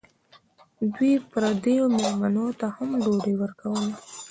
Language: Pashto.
دوی پردو مېلمنو ته هم ډوډۍ ورکوله.